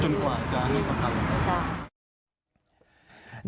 จนกว่าจะพยายามประกันอยู่ครับใช่